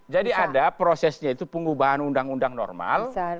jadi ada prosesnya itu pengubahan undang undang normal